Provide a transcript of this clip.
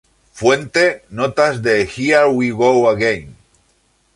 Fuente: notas de "Here We Go Again".